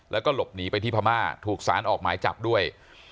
แล้วก็หลบหนีไปที่พม่าถูกสารออกหมายจับด้วย